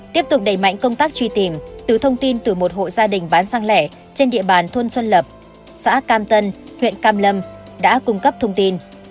tiếp tục đẩy mạnh công tác truy tìm từ thông tin từ một hộ gia đình bán xăng lẻ trên địa bàn thôn xuân lập xã cam tân huyện cam lâm đã cung cấp thông tin